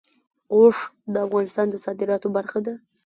اوښ د افغانستان د صادراتو برخه ده.